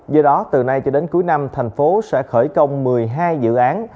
do đó từ nay cho đến cuối năm thành phố sẽ khởi công một mươi hai dự án